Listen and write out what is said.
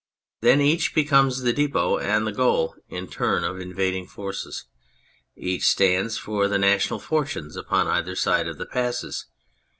Then each becomes the depot and the goal in turn of invading forces, each stands for the national fortunes upon either side of the passes.